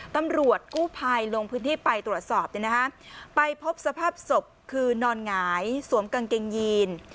ตำรวจกู้ภัยลงพื้นที่ไปตรวจสอบไปพบสภาพศพคือนอนหงายสวมกางเกงยีน